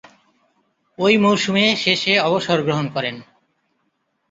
ঐ মৌসুমে শেষে অবসর গ্রহণ করেন।